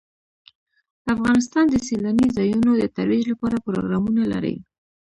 افغانستان د سیلاني ځایونو د ترویج لپاره پروګرامونه لري.